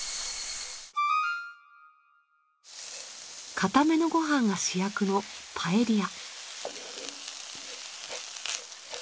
硬めのご飯が主役のパエリア。